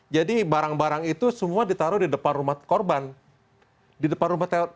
jadi barang barang itu semua ditaruh di depan rumah korban